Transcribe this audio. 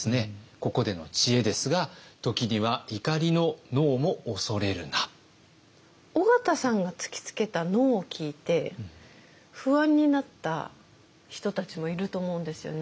ここでの知恵ですが緒方さんが突きつけたＮＯを聞いて不安になった人たちもいると思うんですよね。